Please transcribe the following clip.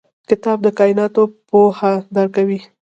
کتاب د کایناتو پوهه درکوي.